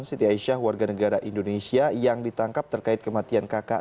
siti aisyah warga negara indonesia yang ditangkap terkait kematian kakak